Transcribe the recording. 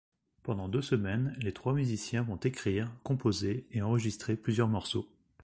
Pendant deux semaines, les trois musiciens vont écrire, composer et enregistrer plusieurs morceaux.